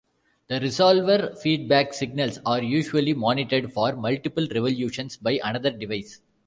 The resolver feedback signals are usually monitored for multiple revolutions by another device.